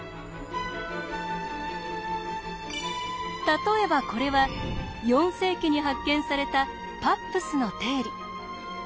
例えばこれは４世紀に発見された「パップスの定理」。